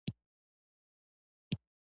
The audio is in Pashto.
منی د افغانانو د معیشت سرچینه ده.